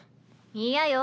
嫌よ。